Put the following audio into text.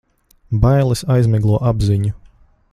Bailes aizmiglo apziņu.